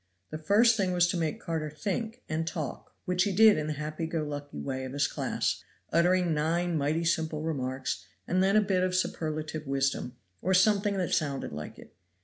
The first thing was to make Carter think and talk, which he did in the happy go lucky way of his class, uttering nine mighty simple remarks, and then a bit of superlative wisdom, or something that sounded like it.